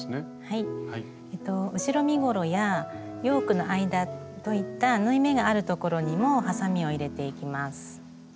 後ろ身ごろやヨークの間といった縫い目がある所にもはさみを入れていきます。